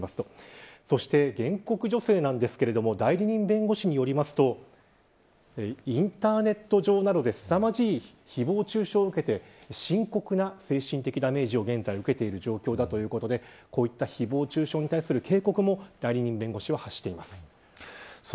原告女性なんですが代理人弁護士によりますとインターネット上などですさまじい誹謗中傷を受けて深刻な精神的ダメージを受けている状況だということでこういった誹謗中傷に対する警告も代理人弁護士は発しています。